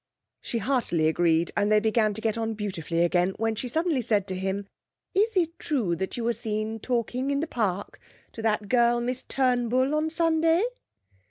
She heartily agreed, and they began to get on beautifully again, when she suddenly said to him: 'Is it true you were seen talking in the park to that girl Miss Turnbull, on Sunday?'